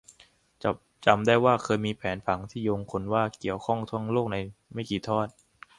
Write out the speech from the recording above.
จำได้ว่าเคยมีแผนผังที่โยงคนว่าเกี่ยวข้องทั้งโลกในไม่กี่ทอด